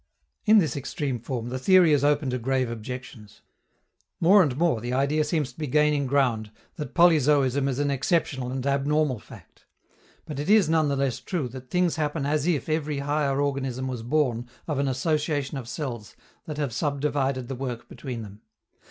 In this extreme form, the theory is open to grave objections: more and more the idea seems to be gaining ground, that polyzoism is an exceptional and abnormal fact. But it is none the less true that things happen as if every higher organism was born of an association of cells that have subdivided the work between them.